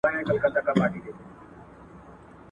که جمع وي نو شمیر نه کمیږي.